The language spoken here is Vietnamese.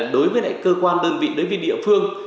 đối với lại cơ quan đơn vị đối với địa phương